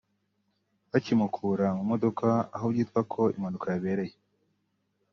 *Bakimukura mu modoka aho byitwa ko impanuka yabereye